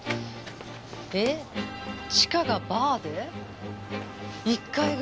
えっ地下がバーで１階が。